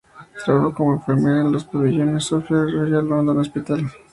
Trabajó como enfermera en los pabellones Sophia del Royal London Hospital.